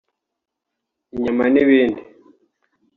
inyama n’ibindi